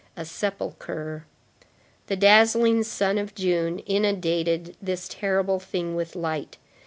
A sepulchre. The dazzling sun of June inundated this terrible thing with light.